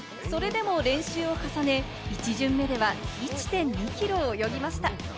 それでも練習を重ね、１巡目では１．２ｋｍ泳ぎました。